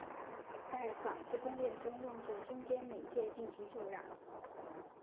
在纺织工业中用作中间媒介进行助染。